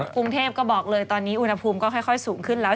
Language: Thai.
กรุงเทพก็บอกเลยตอนนี้อุณหภูมิก็ค่อยสูงขึ้นแล้ว